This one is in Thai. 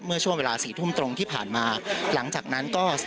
เมื่อช่วงเวลาสี่ทุ่มตรงที่ผ่านมาหลังจากนั้นก็